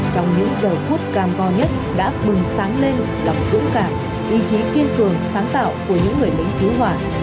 trong những giờ thuốc cam co nhất đã bừng sáng lên đọc dũng cảm ý chí kiên cường sáng tạo của những người lính cứu hỏa